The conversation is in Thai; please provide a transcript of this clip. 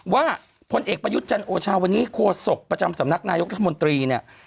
ว่าพลเอกประยุจจันทร์โอชาวันนี้โครสกประจำสำนักนายกรัฐมนตรี